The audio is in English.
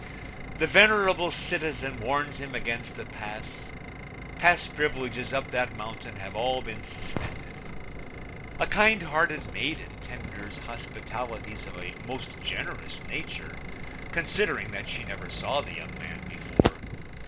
The venerable citizen warns him against the Pass; pass privileges up that mountain have all been suspended. A kind hearted maiden tenders hospitalities of a most generous nature, considering that she never saw the young man before.